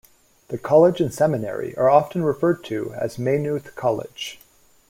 The college and seminary are often referred to as Maynooth College.